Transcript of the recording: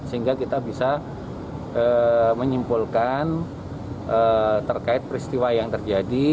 sehingga kita bisa menyimpulkan terkait peristiwa yang terjadi